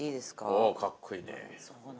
おおっかっこいいね。